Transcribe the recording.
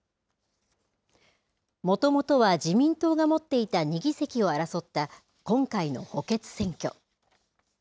もともとは自民党が持っていた２議席を争った、今回の補欠選挙。